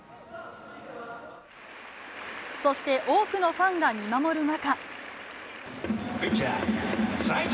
そして、多くのファンが見守る中。